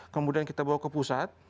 kemudian kita bawa ke pusat